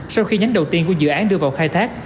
sau khi nhánh đầu tiên của dự án đưa vào khai thác